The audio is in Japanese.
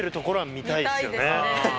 見たいですね。